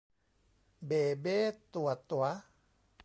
เบ่เบ๊ตั่วตั๋ว